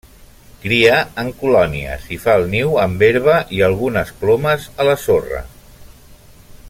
Cria en colònies i fa el niu amb herba i algunes plomes a la sorra.